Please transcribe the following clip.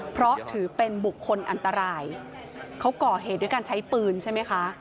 เพราะถือเป็นบุคคลอันตรายเขาก่อเหตุด้วยการใช้ปืนใช่ไหมคะ